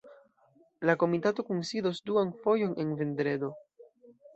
La komitato kunsidos duan fojon en vendredo.